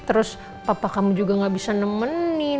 terus papa kamu juga gak bisa nemenin